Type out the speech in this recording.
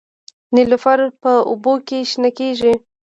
نیلوفر په اوبو کې شنه کیږي